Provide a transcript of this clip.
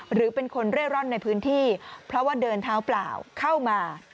หรือเป็นคนเร่ร่อนในพื้นที่เพราะว่าเดินเท้าเปล่าเข้ามา